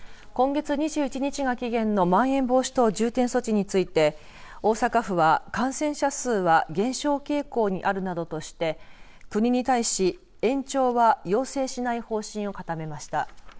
今月２１日が期限のまん延防止等重点措置について大阪府は感染者数は減少傾向にあるなどとして国に対し延長は要請しない方針を固めました。